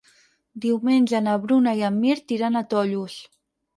Diumenge na Bruna i en Mirt iran a Tollos.